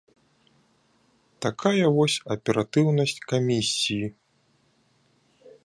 Такая вось аператыўнасць камісіі!